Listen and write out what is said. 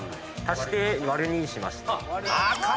足して割る２しました。